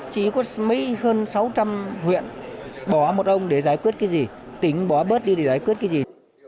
chỉ có mấy hơn sáu trăm linh huyện bỏ một ông để giải quyết cái gì tính bỏ bớt đi để giải quyết cái gì